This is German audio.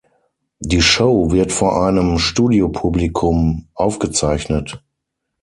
Die Show wird vor einem Studiopublikum aufgezeichnet.